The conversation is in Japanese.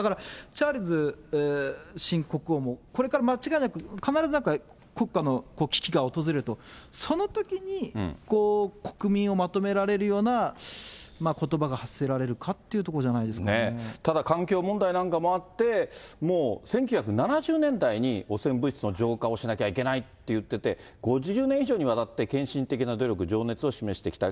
チャールズ新国王も、これから間違いなく、必ず、国家の危機が訪れると、そのときに、国民をまとめられるようなことばが発せられるかというところじゃただ環境問題なんかもあって、もう１９７０年代に汚染物質の浄化をしなきゃいけないと言って、５０年以上にわたって献身的な努力、情熱を示してきた。